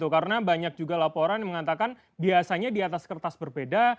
karena banyak juga laporan mengatakan biasanya di atas kertas berbeda